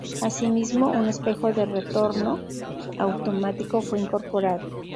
Asimismo, un espejo de retorno automático fue incorporado.